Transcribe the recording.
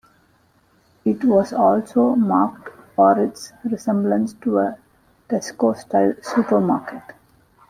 It was also "mocked for its resemblance to a Tesco-style supermarket".